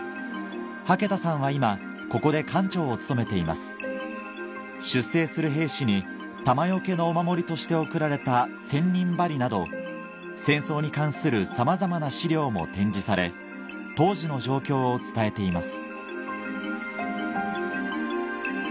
羽毛田さんは今ここで館長を務めています出征する兵士に弾よけのお守りとして贈られた千人針など戦争に関するさまざまな資料も展示され当時の状況を伝えています